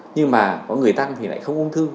nhưng mà có người tăng thì lại không ung thư